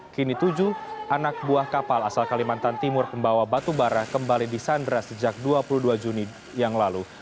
kini tujuh anak buah kapal asal kalimantan timur pembawa batu bara kembali disandra sejak dua puluh dua juni yang lalu